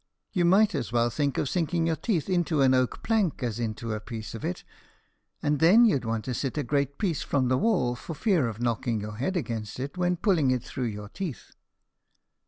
You might as well think of sinking your teeth in an oak plank as into a piece of it, and then you'd want to sit a great piece from the wall for fear of knocking your head against it when pulling it through your teeth.